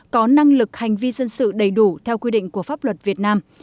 có năng lực hành vi dân sự đầy đủ theo quy định của pháp luật việt nam